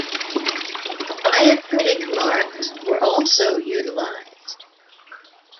Diacritic marks were also utilized.